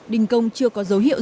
đình công chưa có dấu hiệu